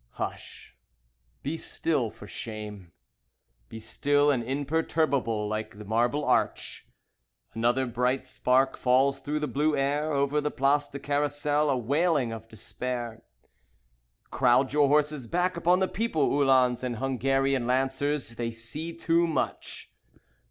Hush, be still for shame; Be still and imperturbable like the marble arch. Another bright spark falls through the blue air. Over the Place du Carrousel a wailing of despair. Crowd your horses back upon the people, Uhlans and Hungarian Lancers, They see too much.